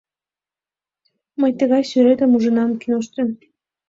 Мый тыгай сӱретым ужынам киношто.